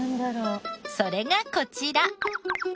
それがこちら。